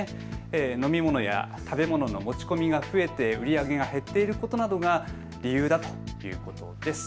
飲み物や食べ物の持ち込みが増えて売り上げが減っていることなどが理由だということです。